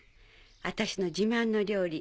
私の自慢の料理